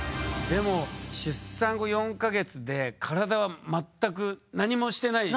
でも出産後４か月で体は全く何もしてない？